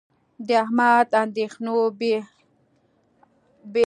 د احمد اندېښنو بې اوره و سوزولم.